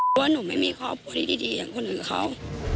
เพราะว่าหนูไม่มีครอบครัวที่ดีอย่างคนอื่นเขา